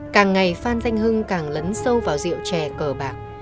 càng ngày phan danh hưng càng lấn sâu vào rượu chè cờ bạc